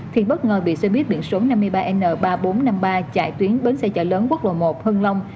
thì bất ngờ bị xe buýt biển số năm mươi ba n ba nghìn bốn trăm năm mươi ba chạy tuyến bến xe chợ lớn quốc lộ một hân long